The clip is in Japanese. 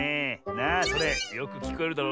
なあそれよくきこえるだろ？